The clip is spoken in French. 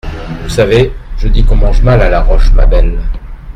Vous savez, je dis qu’on mange mal à la Rochemabelle.